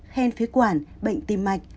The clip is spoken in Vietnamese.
hen phế quản bệnh tim mạch